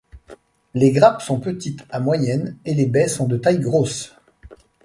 Les grappes sont petites à moyennes et les baies sont de taille grosse.